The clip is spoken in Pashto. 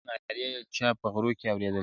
نه نارې یې چا په غرو کي اورېدلې ,